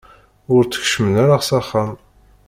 Ur d-tkeččmem ara s axxam?